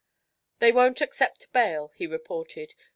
"They won't accept bail," he reported.